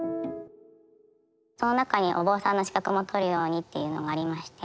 その中にお坊さんの資格も取るようにっていうのがありまして。